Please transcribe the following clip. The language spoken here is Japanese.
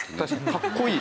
かっこいい。